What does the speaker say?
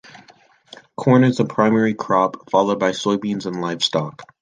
Corn is the primary crop, followed by soybeans and livestock.